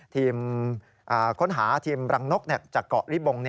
ทีมค้นหาทีมรังนกจากเกาะริบง